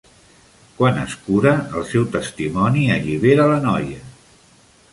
Quan es cura, el seu testimoni allibera la noia.